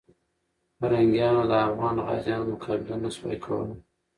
پرنګیانو د افغان غازیانو مقابله نه سوه کولای.